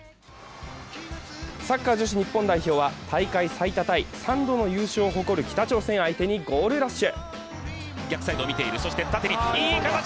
サッカー女子日本代表は大会最多タイ３度の優勝を誇る北朝鮮相手にゴールラッシュ。